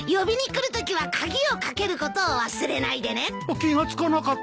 気が付かなかった！